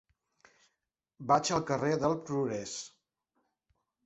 Vaig al carrer del Progrés.